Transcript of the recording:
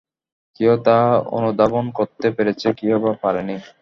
কেউ তা অনুধাবন করতে পেরেছে, কেউ বা পারেনি।